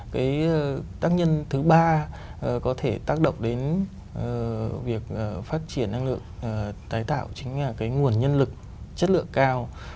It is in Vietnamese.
cái tác nhân thứ ba có thể tác động đến việc phát triển năng lượng tái tạo chính là cái nguồn nhân lực chất lượng cao